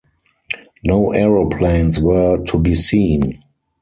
No aeroplanes were to be seen.